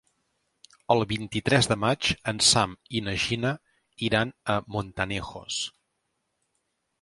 El vint-i-tres de maig en Sam i na Gina iran a Montanejos.